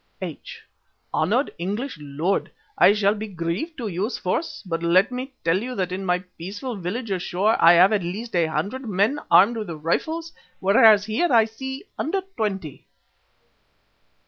H.: "Honoured English lord, I shall be grieved to use force, but let me tell you that in my peaceful village ashore I have at least a hundred men armed with rifles, whereas here I see under twenty."